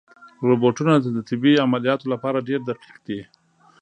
روبوټونه د طبي عملیاتو لپاره ډېر دقیق دي.